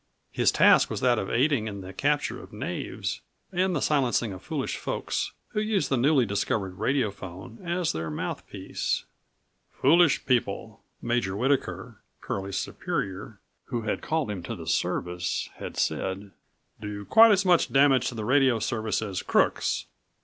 His task was that of aiding in the capture of knaves and the silencing of foolish folks who used the newly discovered radiophone as their mouthpiece. "Foolish people," Major Whittaker, Curlie's11 superior, who had called him to the service, had said, "do quite as much damage to the radio service as crooks.